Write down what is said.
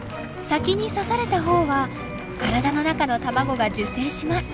先に刺された方は体の中の卵が受精します。